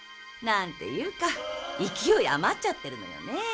なんていうか勢いあまってるのよね